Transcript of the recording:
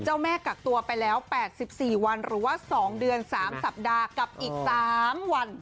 เจ้าแม่กักตัวไปแล้ว๘๔วันหรือว่า๒เดือน๓สัปดาห์กับอีก๓วัน